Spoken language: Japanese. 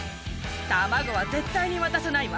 卵は絶対に渡さないわ！